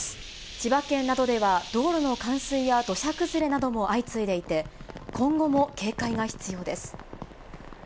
千葉県などでは、道路の冠水や土砂崩れなども相次いでいて、今後も警戒が必要です。